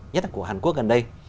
nhất là của hàn quốc gần đây